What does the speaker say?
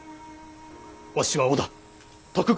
わしは織田徳川